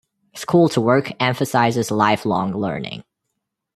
School to Work emphasizes lifelong learning.